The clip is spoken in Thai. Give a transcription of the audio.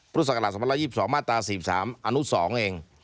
ปรุศกรรมสมรรยา๒๒มาตรา๔๓อนุ๒เอง